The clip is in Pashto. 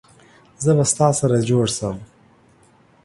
زه به ستا سره جوړ سم